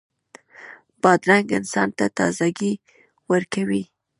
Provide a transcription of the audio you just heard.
بادرنګ انسان ته تازهګۍ ورکوي.